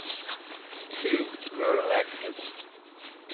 Two were elected.